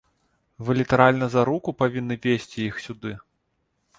Вы літаральна за руку павінны весці іх сюды.